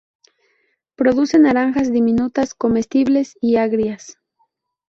Produce naranjas diminutas comestibles y agrias.